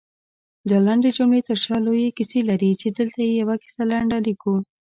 دالنډې جملې ترشا لويې کيسې لري، چې دلته يې يوه کيسه لنډه ليکو